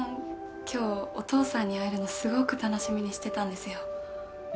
今日お父さんに会えるのすごく楽しみにしてたんですよ。